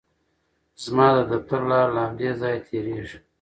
زما د دفتر لاره له همدې ځایه تېریږي.